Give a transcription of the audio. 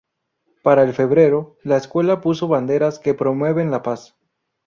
Para el febrero, la escuela puso banderas que promueven la paz.